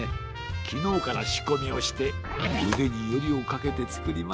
きのうからしこみをしてうでによりをかけてつくりました。